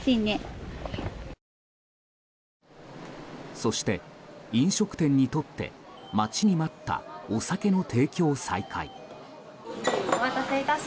そして、飲食店にとって待ちに待ったお酒の提供再開。